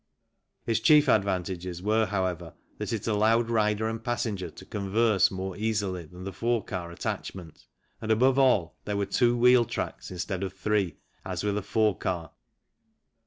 Its chief advantages were, however, that it allowed rider and passenger to converse more easily than the fore car attachment, and above all there were two wheel tracks instead of three, as with a fore car.